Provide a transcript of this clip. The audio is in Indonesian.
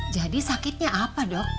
jadi sakitnya apa dok